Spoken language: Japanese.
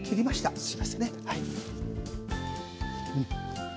すいませんね。